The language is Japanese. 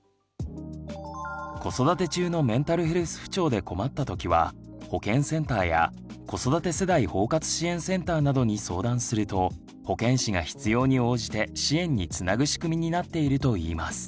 子育て中のメンタルヘルス不調で困った時は保健センターや子育て世代包括支援センターなどに相談すると保健師が必要に応じて支援につなぐ仕組みになっているといいます。